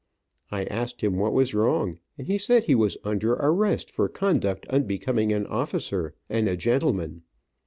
I asked him what was wrong, and he said he was under arrest for conduct unbecoming an officer and a gentleman.